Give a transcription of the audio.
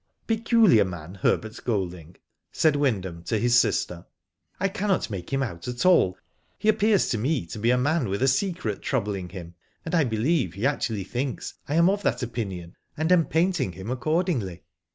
" Peculiar man, Herbert Golding,*' said Wynd ham to his sister, "I cannot make him out at all. He appears to me to be a man with a secret troubling him, and I believe he actually thinks I am of that opinion, and am painting him accord ingly.